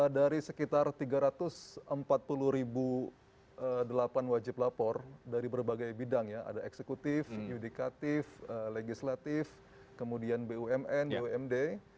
dari sekitar tiga ratus empat puluh delapan wajib lapor dari berbagai bidang ya ada eksekutif yudikatif legislatif kemudian bumn bumd